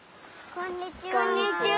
こんにちは。